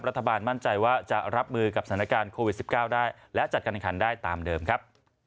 รัฐบาลมั่นใจว่าจะรับมือกับสถานการณ์โควิด๑๙ได้และจัดการขันได้ตามเดิมครับ